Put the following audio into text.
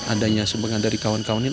adanya sumbangan dari kawan kawan ini